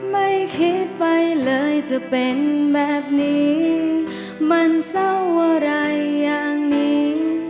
ไม่คิดไปเลยจะเป็นแบบนี้มันเศร้าอะไรอย่างนี้